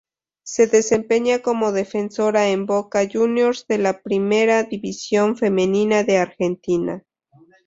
Se desempeña como defensora en Boca Juniors de la Primera División Femenina de Argentina.